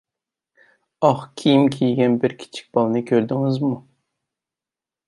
ئاق كىيىم كىيگەن بىر كىچىك بالىنى كۆردىڭىزمۇ؟